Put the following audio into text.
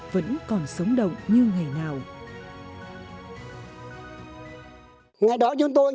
vẫn còn sống động như ngày nào